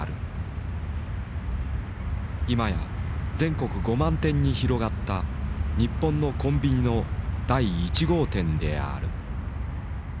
今や全国５万店に広がった日本の「コンビニ」の第１号店である。